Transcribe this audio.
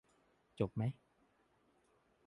จบไหม ?